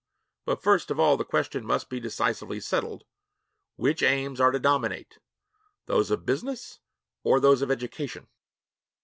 But first of all the question must be decisively settled, which aims are to dominate those of business or those of education.